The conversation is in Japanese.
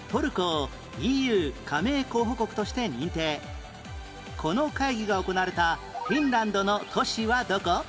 ２４年前この会議が行われたフィンランドの都市はどこ？